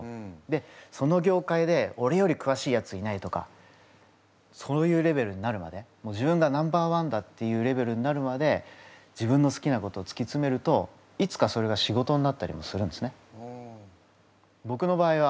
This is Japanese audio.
でその業界で俺よりくわしいやついないとかそういうレベルになるまで自分がナンバー１だっていうレベルになるまで自分の好きなことをつきつめるといつかそれが仕事になったりもするんですね。